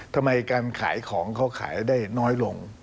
ทำไมการขายของเขาขายได้น้อยลง